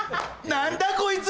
何だこいつ！